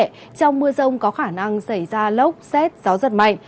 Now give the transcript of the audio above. trong mưa rông có khả năng xảy ra lốc xét gió giật mạnh